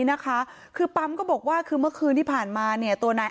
นะคะคือปั๊มก็บอกว่าคือเมื่อคืนที่ผ่านมาเนี่ยตัวนาย